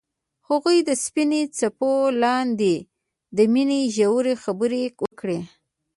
هغوی د سپین څپو لاندې د مینې ژورې خبرې وکړې.